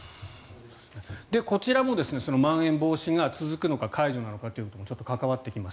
こちらもまん延防止が続くのか解除なのかということも関わってきます。